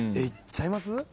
いっちゃいます？